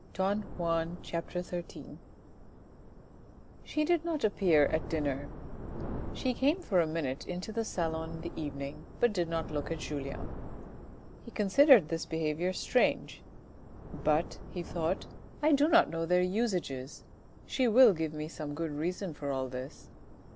Don Juan, c. xiii. She did not appear at dinner. She came for a minute into the salon in the evening, but did not look at Julien. He considered this behaviour strange, " but," he thought, " I do not know their usages. She will give me some good reason for all this."